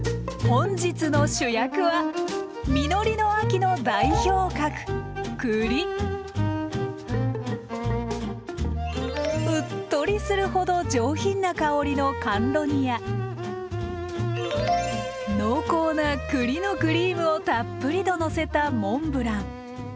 本日の主役は実りの秋の代表格うっとりするほど上品な香りの甘露煮や濃厚な栗のクリームをたっぷりとのせたモンブラン。